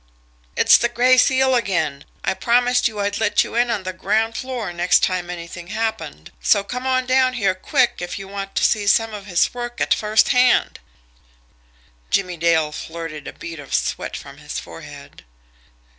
"It's the Gray Seal again. I promised you I'd let you in on the ground floor next time anything happened, so come on down here quick if you want to see some of his work at firsthand." Jimmie Dale flirted a bead of sweat from his forehead.